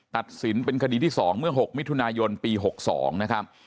ตัดสินเป็นคดีที่๒เมื่อ๖มิถุนายนปี๖๒นะครับ